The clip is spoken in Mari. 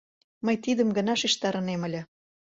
Мый тидым гына шижтарынем ыле.